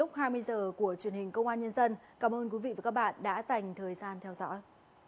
chuyển hình công an nhân dân cảm ơn quý vị và các bạn đã dành thời gian theo dõi